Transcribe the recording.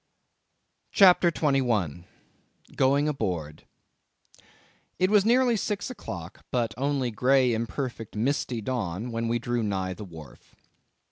CHAPTER 21. Going Aboard. It was nearly six o'clock, but only grey imperfect misty dawn, when we drew nigh the wharf.